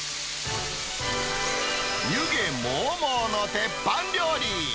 湯気もうもうの鉄板料理。